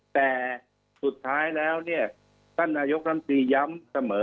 แต่สุดท้ายแล้วเนี่ยท่านนายกรรมตรีย้ำเสมอ